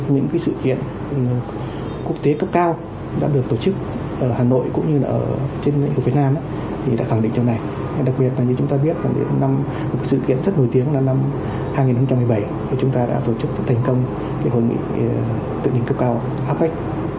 năm hai nghìn một mươi bảy chúng ta đã tổ chức thành công hội nghị thượng đỉnh cấp cao apec